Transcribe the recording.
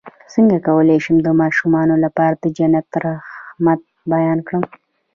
څنګه کولی شم د ماشومانو لپاره د جنت د رحمت بیان کړم